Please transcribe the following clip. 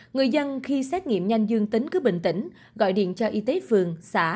người dân khi xét nghiệm nhanh dương tính cứ bình tĩnh gọi điện cho y tế phường xã